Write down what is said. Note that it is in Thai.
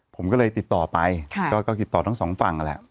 ผมก็เลยติดต่อไปก็ติดต่อทั้งสองฝั่งนั่นแหละ